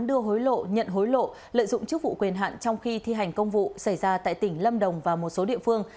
đưa hối lộ nhận hối lộ lợi dụng chức vụ quyền hạn trong khi thi hành công vụ xảy ra tại tỉnh lâm đồng và một số địa phương